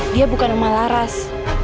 dia bukan omah laras